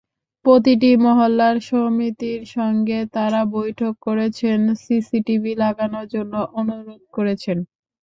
প্রতিটি মহল্লার সমিতির সঙ্গে তাঁরা বৈঠক করেছেন, সিসিটিভি লাগানোর জন্য অনুরোধ করেছেন।